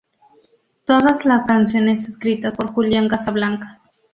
Todas las canciones escritas por Julian Casablancas.